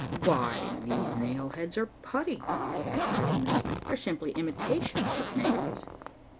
"Why, these nail heads are putty," I cried in amazement. "They're simply imitations of nails."